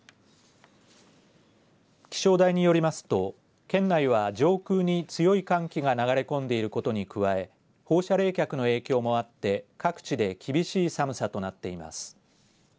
気象台によりますと県内は上空に強い寒気が流れ込んでいることに加え放射冷却の影響もあって各地で厳しい寒さとなっています。